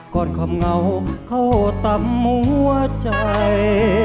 ก่อนความเหงาเข้าตำหัวใจ